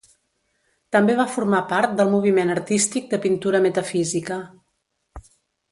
També va formar part del moviment artístic de pintura metafísica.